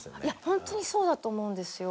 ホントにそうだと思うんですよ。